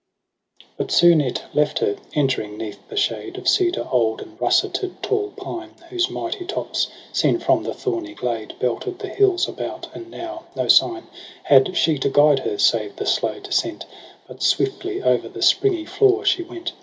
8 But soon it left her, entering 'neath the shade Of cedar old and russeted tall pine. Whose mighty tops, seen from the thorny glade. Belted the hihs about j and now no sign Had she to guide her, save the slow descent.' But swiftly o'er the springy floor she went.